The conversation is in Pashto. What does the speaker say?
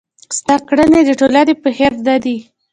ستا کړني د ټولني په خير نه دي.